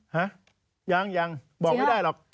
ห้ะยังบอกไม่ได้หรอก